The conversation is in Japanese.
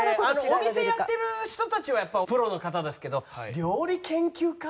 お店やってる人たちはやっぱりプロの方ですけど料理研究家？